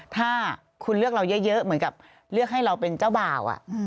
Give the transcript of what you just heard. ถ้าคุณเลือกเราเยอะเหมือนกับเลือกให้เราเป็นเจ้าบ่าว